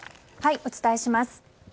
お伝えします。